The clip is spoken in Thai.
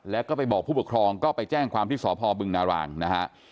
แล้วก็ไปบอกผู้ปกครองก็ไปแจ้งความที่สพบึงนารางนะฮะ